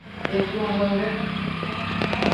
Ekplon hwehwe.